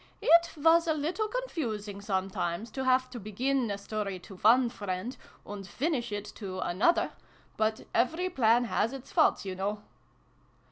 It was a little confusing, sometimes, to have to begin a story to one friend and finish it to another ; but every plan has its faults, you know."